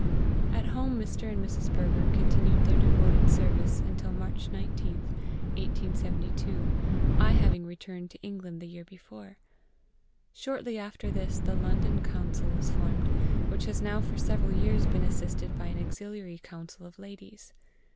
At home Mr. and Mrs. Berger continued their devoted service until March 19th, 1872, I having returned to England the year before. Shortly after this the London Council was formed, which has now for several years been assisted by an auxiliary Council of ladies.